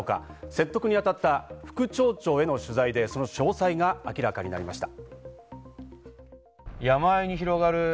説得に当たった副町長への取材でその詳細が明らかになりました。